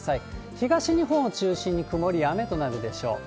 東日本を中心に曇りや雨となるでしょう。